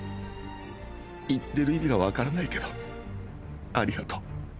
言ってる意味がわからないけどありがとう。